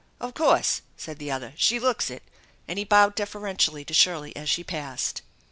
" Of course !" said the other. " She looks it," and he bowed deferentially to Shirley as she passed.